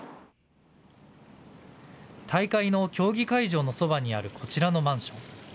大会の競技会場のそばにあるこちらのマンション。